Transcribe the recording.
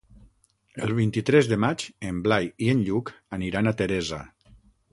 El vint-i-tres de maig en Blai i en Lluc aniran a Teresa.